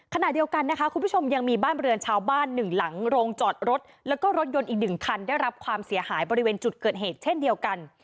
ขณะเดียวกันนะคะคุณผู้ชมยังมีบ้านเรือนชาวบ้านหนึ่งหลังโรงจอดรถแล้วก็รถยนต์อีกหนึ่งคันได้รับความเสียหายบริเวณจุดเกิดเหตุเช่นเดียวกัน